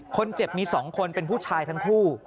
คนเจ็บมี๒คนเป็นผู้ชายทั้งคู่